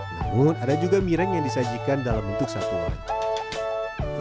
namun ada juga mireng yang disajikan dalam bentuk satuan